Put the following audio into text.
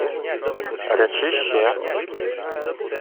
— Речи ще.